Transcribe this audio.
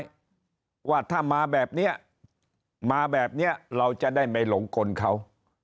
ว่าถ้ามาแบบนี้มาแบบนี้เราจะได้ไม่หลงกลเขา